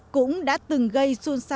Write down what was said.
cũng đã từng gây xuân xuân